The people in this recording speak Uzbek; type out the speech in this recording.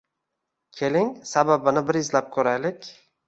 Keling, sababini bir izlab ko‘raylik.